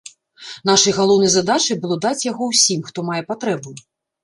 Нашай галоўнай задачай было даць яго ўсім, хто мае патрэбу.